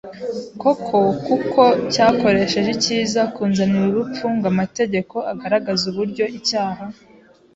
koko kuko cyakoresheje icyiza kunzanira urupfu ngo amategeko agaragaze uburyo icyaha